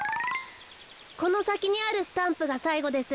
このさきにあるスタンプがさいごです。